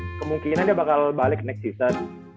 nah kemungkinan dia bakal balik next season